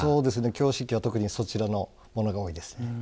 京漆器は特にそちらのものが多いです。